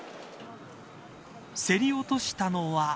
競り落としたのは。